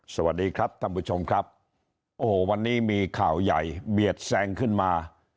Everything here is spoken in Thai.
สวัสดีครับท่านผู้ชมครับโอ้โหวันนี้มีข่าวใหญ่เบียดแซงขึ้นมา